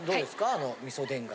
あの味噌田楽。